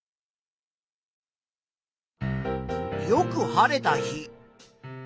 よく晴れた日。